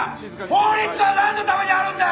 法律はなんのためにあるんだ！？